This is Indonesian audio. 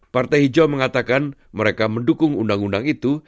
partai hijau mengatakan mereka mendukung undang undang itu